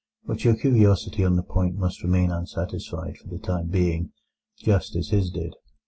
But your curiosity on the point must remain unsatisfied for the time being, just as his did.